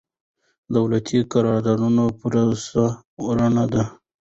د دولتي قراردادونو پروسه رڼه وي.